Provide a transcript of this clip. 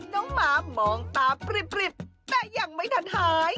หมามองตาปริบแต่ยังไม่ทันหาย